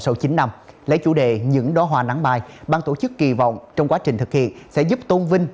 sau chín năm lấy chủ đề những đoá hoa nắng bài bang tổ chức kỳ vọng trong quá trình thực hiện sẽ giúp tôn vinh